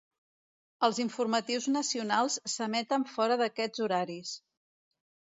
Els informatius nacionals s'emeten fora d'aquests horaris.